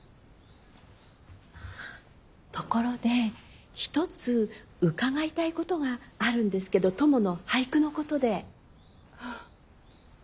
ところで一つ伺いたいことがあるんですけどトモの俳句のことで。